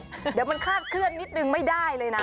เดี๋ยวมันคาดเคลื่อนนิดนึงไม่ได้เลยนะ